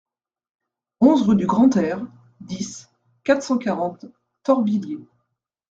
onze rue du Grand-Air, dix, quatre cent quarante, Torvilliers